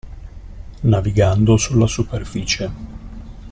Navigando sulla superficie.